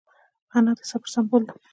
انا د صبر سمبول ده